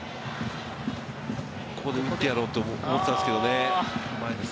ここで打ってやろうと思っていたんですけれどもね。